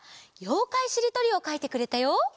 「ようかいしりとり」をかいてくれたよ。